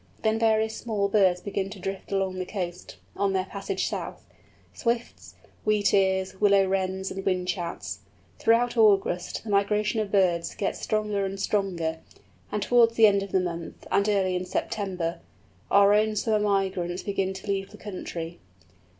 Then various small birds begin to drift along the coast, on their passage south—Swifts, Wheatears, Willow Wrens, and Whinchats. Throughout August the migration of birds gets stronger and stronger, and towards the end of the month, and early in September, our own summer migrants begin to leave the country.